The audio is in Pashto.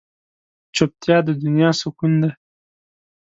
چوپتیا، د دنیا سکون دی.